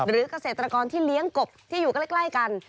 หรือกเศรษฐกรที่เลี้ยงกบที่อยู่ใกล้กัน